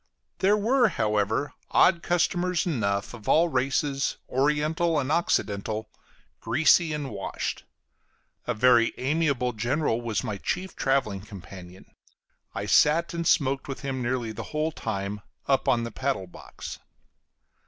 There were, however, odd customers enough, of all races, oriental and occidental, greasy and washed. A very amiable general was my chief traveling companion; I sat and smoked with him nearly the whole time, up on the paddle box.